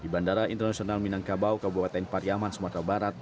di bandara internasional minangkabau kabupaten pariaman sumatera barat